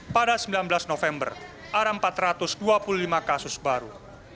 pada sembilan belas november ada empat ratus dua puluh lima kasus baru